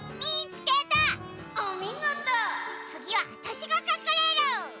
つぎはわたしがかくれる！